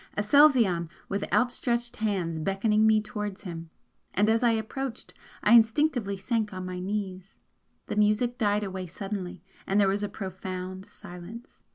Aselzion, with outstretched hands beckoning me towards him and as I approached I instinctively sank on my knees. The music died away suddenly, and there was a profound silence.